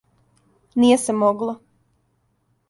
Није се могло.